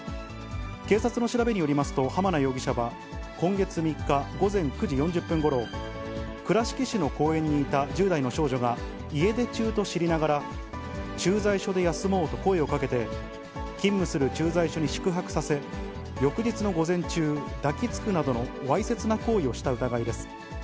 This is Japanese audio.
警察の調べによりますと、浜名容疑者は今月３日午前９時４０分ごろ、倉敷の公園にいた１０代の少女が、家出中と知りながら、駐在所で休もうと声をかけて、勤務する駐在所に宿泊させ、翌日の午前中、抱きつくなどのわいせつな行為をした疑いです。